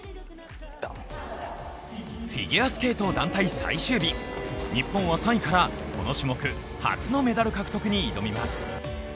フィギュアスケート団体最終日日本は３位からこの種目初のメダル獲得に挑みます。